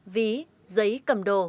ví giấy cầm đồ